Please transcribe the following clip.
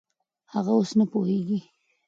هغه اوس نه پوهېږي.